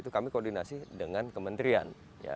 kami koordinasi dengan kementerian